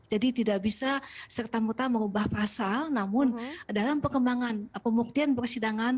jadi tidak bisa serta merta mengubah pasal namun dalam perkembangan pembuktian persidangan